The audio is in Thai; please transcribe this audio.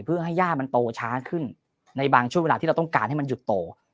เพื่อให้ย่ามันโตช้าขึ้นในบางช่วงเวลาที่เราต้องการให้มันหยุดโต